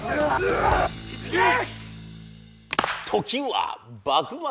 時は幕末。